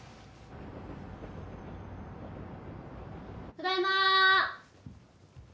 ただいま！